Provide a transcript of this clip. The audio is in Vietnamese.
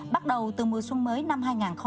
bắt đầu từ mùa xuân mới năm hai nghìn hai mươi